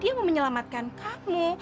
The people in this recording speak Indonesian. dia mau menyelamatkan kamu